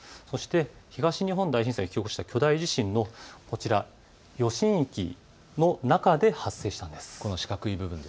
そして東日本大震災、巨大地震のこちら、余震域の中で発生しています。